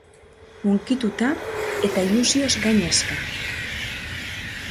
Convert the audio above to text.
Hunkituta eta ilusioz gainezka.